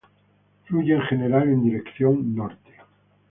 Fluye en general en dirección al norte.